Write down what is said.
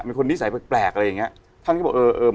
เป็นคนนิสัยแปลกอะไรอย่างเงี้ย